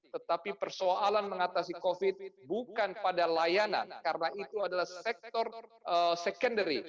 tetapi persoalan mengatasi covid bukan pada layanan karena itu adalah sektor secondary